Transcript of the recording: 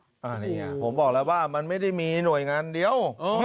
นี่ไงผมบอกแล้วว่ามันไม่ได้มีหน่วยงานเดียว